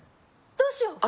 どうしよう